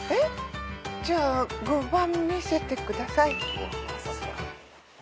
じゃあ５番見せてください。